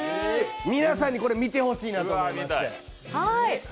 皆さんにこれ見てほしいなと思いまして。